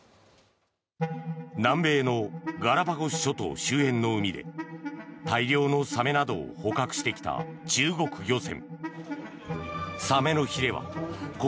南米のガラパゴス諸島周辺の海で大量のサメなどを捕獲してきた中国漁船。